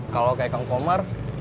kalau kayak kang komar